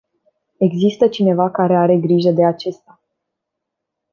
Există cineva care are grijă de acesta.